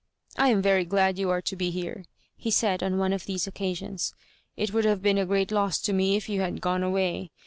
" I am very glad you are to be here," he said on one of these occasions. ^' It would have been a great loss to me if you had gone away.